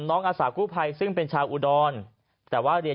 น้องอาสากุภัยซึ่งเป็นชาวอุดรธานี